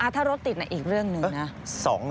ถ้ารถติดอีกเรื่องหนึ่งนะ